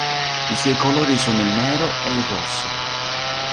I suoi colori sono il nero e il rosso.